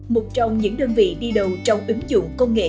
một trong những đơn vị đi đầu trong ứng dụng công nghệ